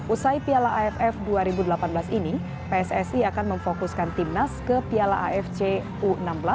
usai piala aff dua ribu delapan belas ini pssi akan memfokuskan timnas ke piala afc u enam belas